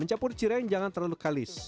mencampur cireng jangan terlalu kalis